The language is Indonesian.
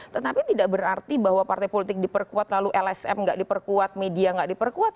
tetapi tidak berarti bahwa partai politik diperkuat lalu lsm nggak diperkuat media nggak diperkuat